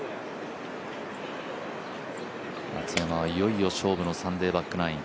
いよいよ勝負のサンデーバックナイン。